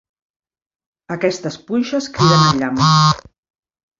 Aquestes punxes criden el llamp.